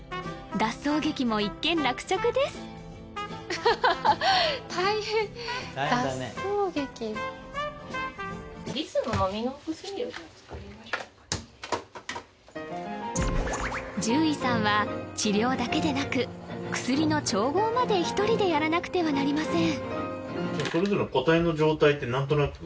脱走劇獣医さんは治療だけでなく薬の調合まで１人でやらなくてはなりません